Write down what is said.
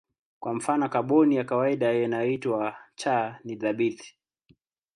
Kwa mfano kaboni ya kawaida inayoitwa C ni thabiti.